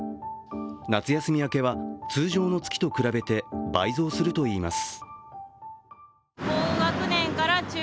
夏休み明けは通常の月と比べて倍増するといいます。